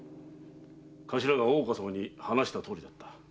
頭が大岡様に話したとおりだった。